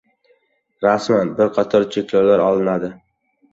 Rasman! Bir qator cheklovlar olinadi